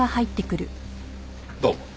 どうも。